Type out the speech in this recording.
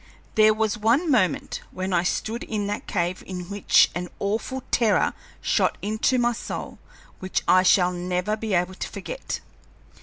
There was one moment when I stood in that cave in which an awful terror shot into my soul which I shall never be able to forget.